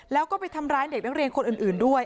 แล้วก็ไปทำร้ายเด็กนักเรียนคนอื่นด้วย